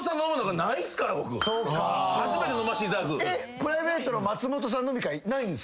プライベートの松本さん飲み会ないんですか？